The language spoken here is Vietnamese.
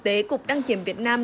của cục đăng kiểm việt nam